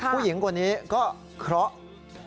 ผู้หญิงคนนี้ก็เคราะห์